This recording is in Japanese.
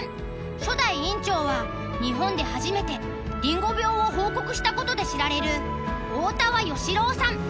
初代院長は日本で初めてりんご病を報告したことで知られる大多和與四郎さん。